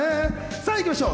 さぁ、いきましょう。